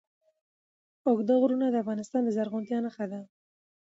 اوږده غرونه د افغانستان د زرغونتیا نښه ده.